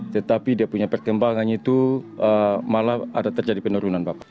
tetapi dia punya perkembangan itu malah ada terjadi penurunan bapak